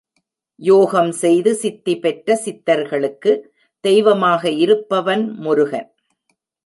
யோகம் செய்து சித்தி பெற்ற சித்தர்களுக்கு தெய்வமாக இருப்பவன் முருகன்.